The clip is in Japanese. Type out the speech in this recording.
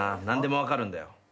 何でも分かるんだよ。